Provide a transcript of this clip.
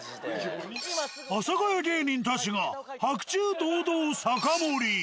阿佐ヶ谷芸人たちが白昼堂々酒盛り。